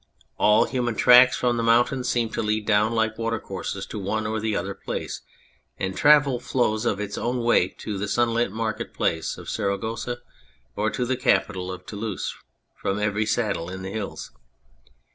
All human tracks from the mountains seem to lead down like water courses to one or the other place, and travel flows of its own weight to the sunlit market place of Saragossa or to the Capitol of Toulouse from every saddle in the hills.